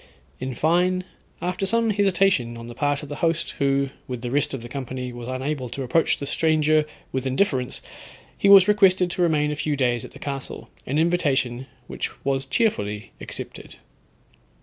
In fine, after some hesitation on the part of the host, who, with the rest of the company, was unable to approach the stranger with indifference, he was requested to remain a few days at the castle, an invitation which was cheerfully accepted.